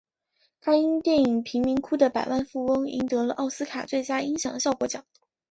他因电影贫民窟的百万富翁赢得了奥斯卡最佳音响效果奖。